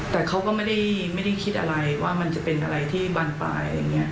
แต่เขาก็ไม่ได้คิดอะไรว่ามันจะเป็นอะไรที่บานปลายอะไรอย่างนี้